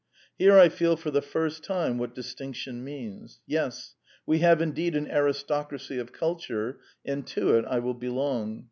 Here I feel for the first time what distinction means. Yes: we have indeed an aristocracy of culture; and to it I will belong.